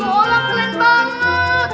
wah luolang keren banget